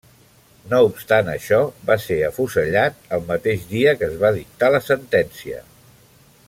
No obstant això, va ser afusellat el mateix dia que es va dictar la sentència.